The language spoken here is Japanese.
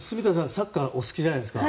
サッカーがお好きじゃないですか